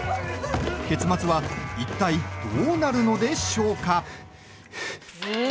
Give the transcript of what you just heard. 結末は一体どうなるのでしょうか？